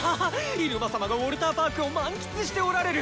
入間様がウォルターパークを満喫しておられる！